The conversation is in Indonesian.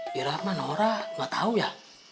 dira apaan orang gak tau ya